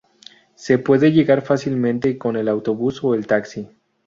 Se puede llegar fácilmente con el autobús o el taxi.